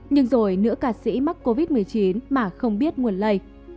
nhưng rồi nữ ca sĩ mắc covid một mươi chín mà không biết nguồn lây